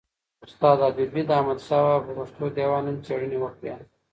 استاد حبیبي احمدشاه بابا پر پښتو دېوان هم څېړني وکړې.